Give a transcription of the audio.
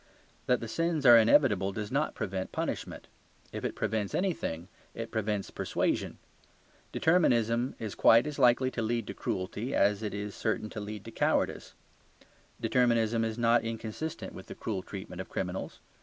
That the sins are inevitable does not prevent punishment; if it prevents anything it prevents persuasion. Determinism is quite as likely to lead to cruelty as it is certain to lead to cowardice. Determinism is not inconsistent with the cruel treatment of criminals.